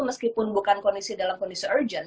meskipun bukan dalam kondisi urgent